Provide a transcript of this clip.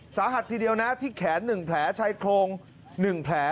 สาหัสทีเดียวนะที่แขน๑แผลชายโครง๑แผล